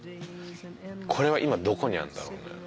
これは今どこにあるんだろうね。